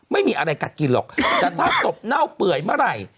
ไม่มีอะไรกัดกินหรอกแต่ถ้าศพเน่าเปื่อยเมื่อไหร่